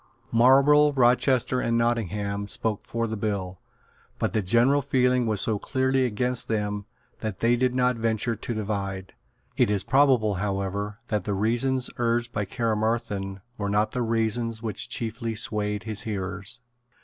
Marlborough, Rochester and Nottingham spoke for the bill; but the general feeling was so clearly against them that they did not venture to divide. It is probable, however, that the reasons urged by Caermarthen were not the reasons which chiefly swayed his hearers.